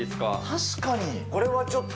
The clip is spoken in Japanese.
確かに。